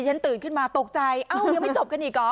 ฉันตื่นขึ้นมาตกใจเอ้ายังไม่จบกันอีกเหรอ